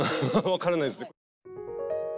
分からないですね。